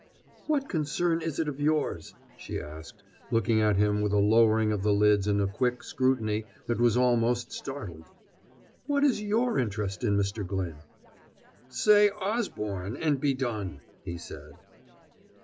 "What concern is it of yours?" she asked, looking at him with a lowering of the lids in a quick scrutiny that was almost startled. "What is your interest in Mr. Glyn?" "Say 'Osborne' and be done," he said.